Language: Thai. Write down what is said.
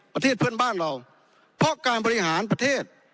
ประเทศเพื่อนบ้านเราเพราะการบริหารประเทศ